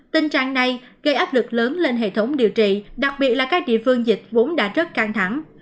tình trạng này gây áp lực lớn lên hệ thống điều trị đặc biệt là các địa phương dịch vốn đã rất căng thẳng